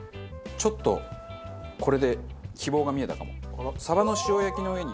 ちょっとこれで希望が見えたかも。